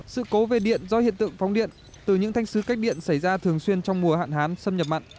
sự cố về điện do hiện tượng phóng điện từ những thanh sứ cách điện xảy ra thường xuyên trong mùa hạn hán xâm nhập mặn